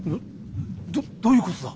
どっどういうことだ？